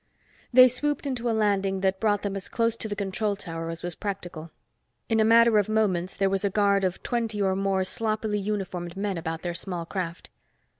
They swooped into a landing that brought them as close to the control tower as was practical. In a matter of moments there was a guard of twenty or more sloppily uniformed men about their small craft.